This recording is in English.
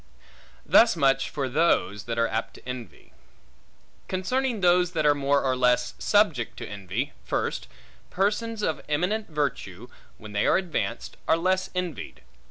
Thus much for those, that are apt to envy. Concerning those that are more or less subject to envy: First, persons of eminent virtue, when they are advanced, are less envied.